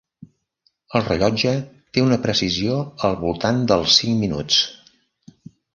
El rellotge té una precisió al voltant dels cinc minuts.